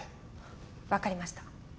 わかりました。